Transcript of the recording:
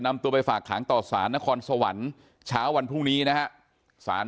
นำตัวไปฝากขังต่อสารนครสวรรค์เช้าวันพรุ่งนี้นะฮะสาร